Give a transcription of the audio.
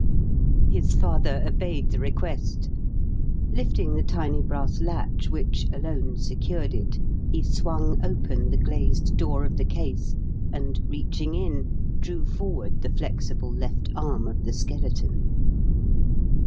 His father obeyed the request. Lifting the tiny brass latch which alone secured it, he swung open the glazed door of the case, and, reaching in, drew forward the flexible left arm of the skeleton.